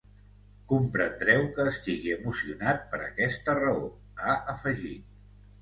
Comprendreu que estigui emocionat per aquesta raó, ha afegit.